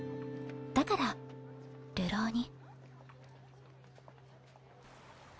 だから流浪人